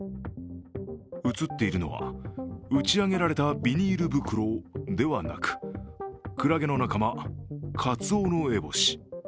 写っているのは打ち上げられたビニール袋ではなくクラゲの仲間、カツオノエボシ。